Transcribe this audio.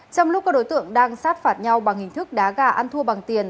trong lúc các đối tượng đang sát phạt nhau bằng hình thức đá gà ăn thua bằng tiền